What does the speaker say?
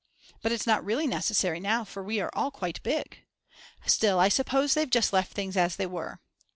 But it's not really necessary now for we are all quite big. Still I suppose they've just left things as they were.